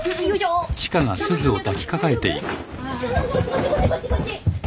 こっちこっちこっち。